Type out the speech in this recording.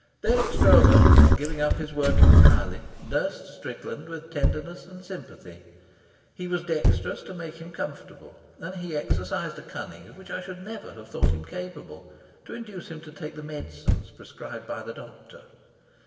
Dirk Stroeve, giving up his work entirely, nursed Strickland with tenderness and sympathy. He was dexterous to make him comfortable, and he exercised a cunning of which I should never have thought him capable to induce him to take the medicines prescribed by the doctor.